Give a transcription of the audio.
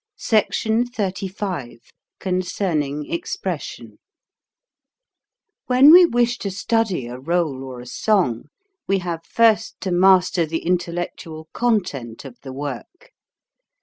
SECTION XXXV CONCERNING EXPRESSION WHEN we wish to study a r61e or a song, we have first to master the intellectual con tent of the work.